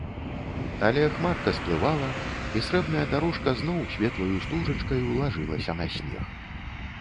Але хмарка сплывала, і срэбная дарожка зноў светлаю стужачкаю лажылася на снег.